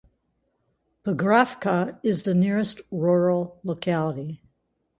Pokrovka is the nearest rural locality.